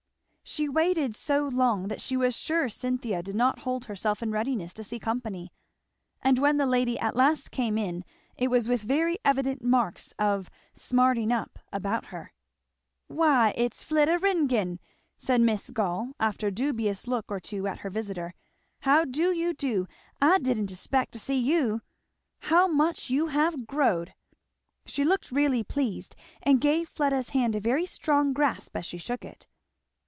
She waited so long that she was sure Cynthia did not hold herself in readiness to see company. And when the lady at last came in it was with very evident marks of "smarting up" about her. "Why it's Flidda Ringgan!" said Miss Gall after a dubious look or two at her visitor. "How do you do? I didn't 'spect to see you. How much you have growed!" She looked really pleased and gave Fleda's hand a very strong grasp as she shook it.